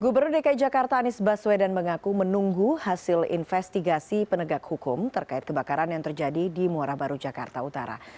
gubernur dki jakarta anies baswedan mengaku menunggu hasil investigasi penegak hukum terkait kebakaran yang terjadi di muara baru jakarta utara